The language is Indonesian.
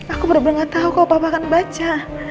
aku bener bener gak tau kalau papa akan baca